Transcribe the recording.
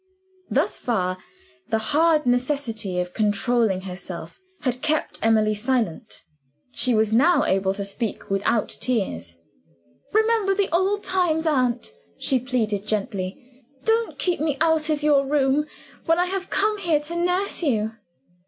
Thus far, the hard necessity of controlling herself had kept Emily silent. She was now able to speak without tears. "Remember the old times, aunt," she pleaded, gently. "Don't keep me out of your room, when I have come here to nurse you!"